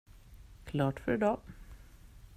Klart för i dag!